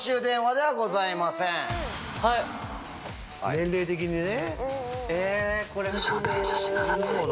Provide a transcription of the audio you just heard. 年齢的にね。